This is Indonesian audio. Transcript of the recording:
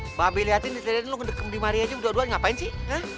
mbak abie liatin lo ngedekem di mariaju dua dua ngapain sih